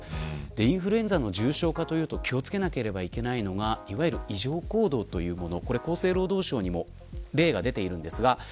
インフルエンザの重症化というときに気を付けなければいけないのがいわゆる異常行動というもの。